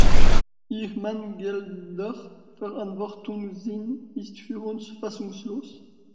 Ihr mangelnder Verantwortungssinn ist für uns fassungslos.